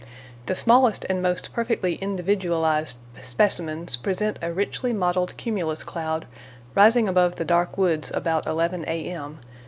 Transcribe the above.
The smallest and most perfectly individualized specimens present a richly modeled cumulous cloud rising above the dark woods, about 11 A.M.